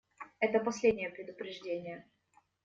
Это последнее предупреждение.